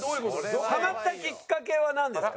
ハマったきっかけはなんですか？